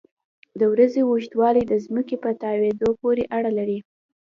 د ورځې اوږدوالی د ځمکې په تاوېدو پورې اړه لري.